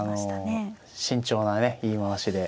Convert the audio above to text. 慎重なね言い回しで。